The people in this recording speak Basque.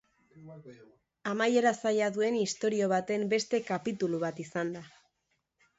Amaiera zaila duen istorio baten beste kapitulu bat izan da.